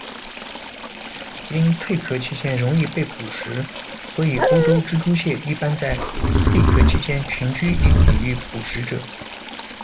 因蜕壳期间容易被捕食，所以欧洲蜘蛛蟹一般在蜕壳期间群居以抵御捕食者。